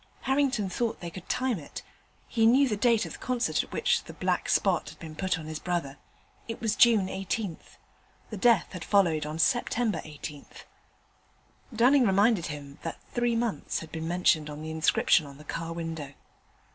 Harrington thought they could time it. He knew the date of the concert at which the 'black spot' had been put on his brother: it was June 18th. The death had followed on Sept. 18th. Dunning reminded him that three months had been mentioned on the inscription on the car window.